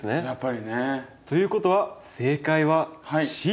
やっぱりね。ということは正解はＣ。